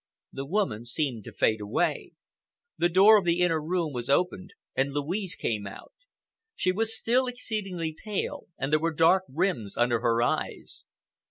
The woman seemed to fade away. The door of the inner room was opened and Louise came out. She was still exceedingly pale, and there were dark rims under her eyes.